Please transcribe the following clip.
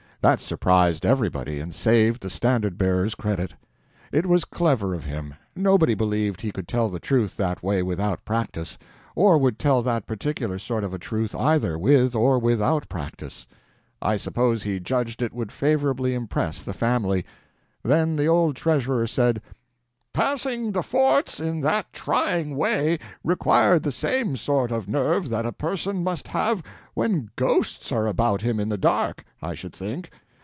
That surprised everybody, and saved the Standard Bearer's credit. It was clever of him; nobody believed he could tell the truth that way without practice, or would tell that particular sort of a truth either with or without practice. I suppose he judged it would favorably impress the family. Then the old treasurer said: "Passing the forts in that trying way required the same sort of nerve that a person must have when ghosts are about him in the dark, I should think.